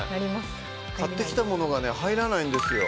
買ってきたものがね入らないんですよ